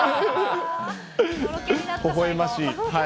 ほほえましい。